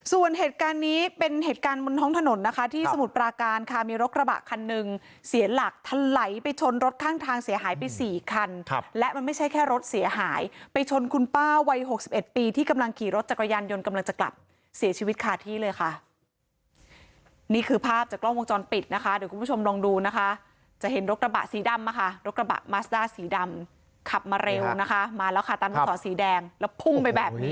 ส่วนเหตุการณ์นี้เป็นเหตุการณ์บนห้องถนนนะคะที่สมุทรปราการค่ะมีรถกระบะคันหนึ่งเสียหลักทะไหลไปชนรถข้างทางเสียหายไปสี่คันครับและมันไม่ใช่แค่รถเสียหายไปชนคุณป้าวัยหกสิบเอ็ดปีที่กำลังขี่รถจากกระยันยนต์กำลังจะกลับเสียชีวิตขาดที่เลยค่ะนี่คือภาพจากกล้องวงจรปิดนะคะเดี๋ยวคุณผ